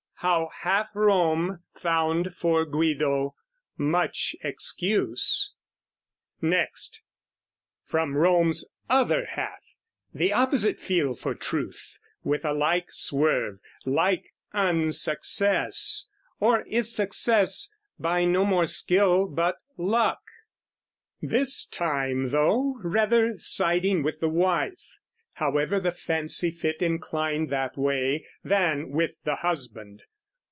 How Half Rome found for Guido much excuse. Next, from Rome's other half, the opposite feel For truth with a like swerve, like unsuccess, Or if success, by no more skill but luck: This time, though rather siding with the wife, However the fancy fit inclined that way, Than with the husband.